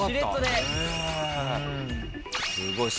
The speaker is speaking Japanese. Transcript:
すごい。